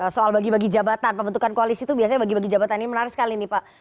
soal bagi bagi jabatan pembentukan koalisi itu biasanya bagi bagi jabatan ini menarik sekali nih pak